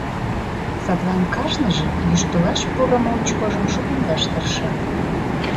Садлан кажныже йӱштылаш пурымо очкожым шукемдаш тырша.